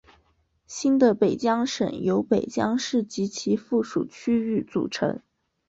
新的北江省由北江市及其附近区域组成。